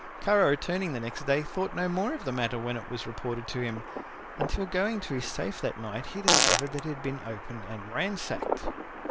Kara returning next day thought no more of the matter when it was reported to him, until going to his safe that night he discovered that it had been opened and ransacked.